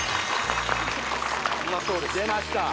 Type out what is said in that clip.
うまそうです出ました